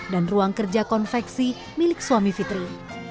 dan ruang kerja konveksi milik suami fitri